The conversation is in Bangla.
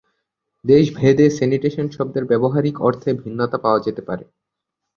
দেশ ভেদে স্যানিটেশন শব্দের ব্যবহারিক অর্থে ভিন্নতা পাওয়া যেতে পারে।